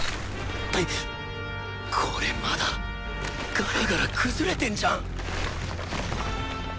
これまだガラガラ崩れてんじゃん